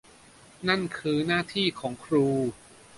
นั่นคือหน้าที่ของครู